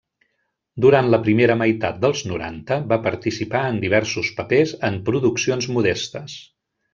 Durant la primera meitat dels noranta, va participar en diversos papers en produccions modestes.